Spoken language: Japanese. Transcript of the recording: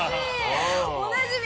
おなじみ？